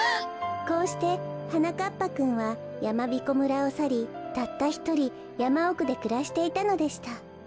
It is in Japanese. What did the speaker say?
こうしてはなかっぱくんはやまびこ村をさりたったひとりやまおくでくらしていたのでした。